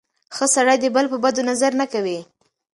ښه سړی د بل په بدو نظر نه کوي.